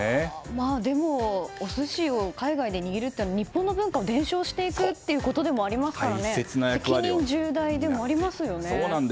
でも、お寿司を海外で握るというのは日本の文化を伝承していくことでもありますから責任重大でもありますよね。